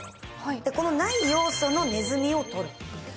このない要素のねずみを取る。